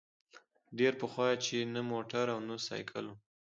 ډېر پخوا چي نه موټر او نه سایکل وو